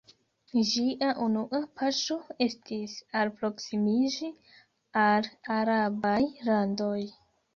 Ĝia unua paŝo estis alproksimiĝi al arabaj landoj.